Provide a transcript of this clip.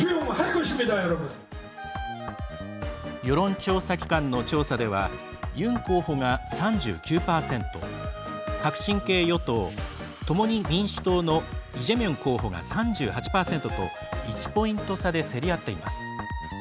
世論調査機関の調査ではユン候補が３９％革新系与党・共に民主党のイ・ジェミョン候補が３８％と１ポイント差で競り合っています。